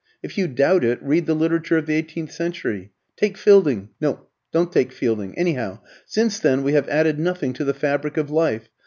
If you doubt it, read the literature of the eighteenth century. Take Fielding no, don't take Fielding. Anyhow, since then we have added nothing to the fabric of life.